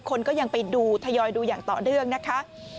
คนก็ยังไปดูทยอยดูอย่างต่อเนื่องนะคะ